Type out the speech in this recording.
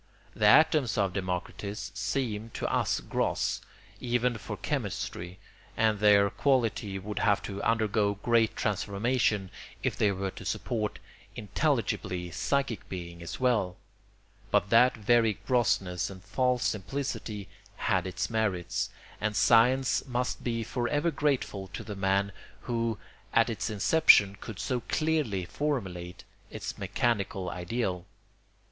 The atoms of Democritus seem to us gross, even for chemistry, and their quality would have to undergo great transformation if they were to support intelligibly psychic being as well; but that very grossness and false simplicity had its merits, and science must be for ever grateful to the man who at its inception could so clearly formulate its mechanical ideal.